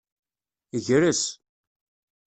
Gres.